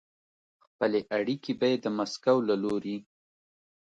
خپلې اړیکې به یې د مسکو له لوري